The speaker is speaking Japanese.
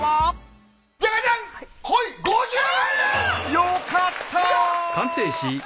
よかった！